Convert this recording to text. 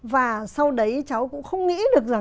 và sau đấy cháu cũng không nghĩ được